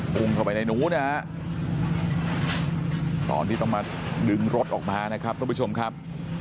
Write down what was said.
พุ่งเข้าไปในนู้นนะฮะตอนที่ต้องมาดึงรถออกมานะครับทุกผู้ชมครับ